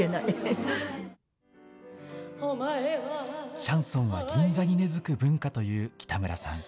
シャンソンは銀座に根づく文化という北村さん。